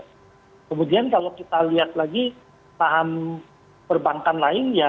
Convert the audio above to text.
kemudian kalau kita lihat lagi saham perbankan lain ya